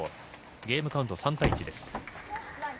ゲームカウント３対１です。